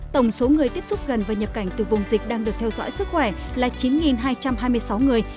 tổng số người tiếp xúc gần và nhập cảnh từ vùng dịch đang được theo dõi sức khỏe là chín hai trăm hai mươi sáu người